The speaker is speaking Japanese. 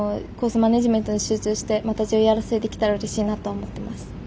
マネジメントに集中してまた上位争いできたらうれしいなと思っています。